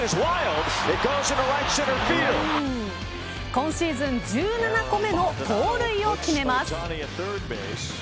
今シーズン１７個目の盗塁を決めます。